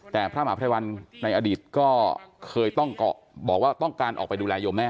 แต่พระมหาภัยวัลในอดีตก็เคยต้องเกาะบอกว่าต้องการออกไปดูแลโยมแม่